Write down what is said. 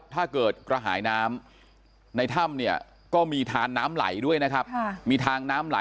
ถ้าเกิดกระหายน้ำในถ้ำเนี่ยก็มีทานน้ำไหล